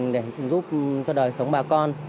để giúp cho đời sống bà con